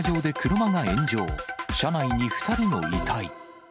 車内に２人の遺体。